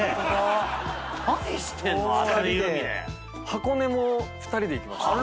箱根も２人で行きました。